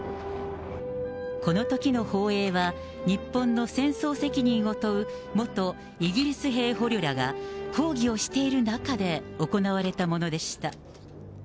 このときの訪英は、日本の戦争責任を問う元イギリス兵捕虜らが抗議をしている中で行われたものでした。